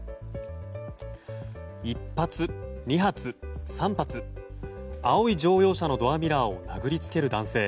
１発、２発、３発青い乗用車のドアミラーを殴りつける男性。